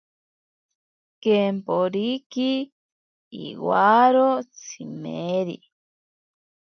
Kemporiki iwaro tsimeri.